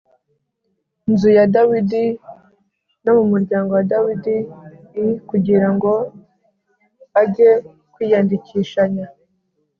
nzu ya Dawidi no mu muryango wa Dawidi i kugira ngo ajye kwiyandikishanya